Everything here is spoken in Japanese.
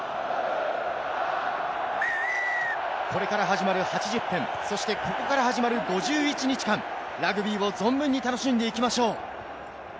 これから始まる８０分、そしてここから始まる５１日間、ラグビーを存分に楽しんでいきましょう。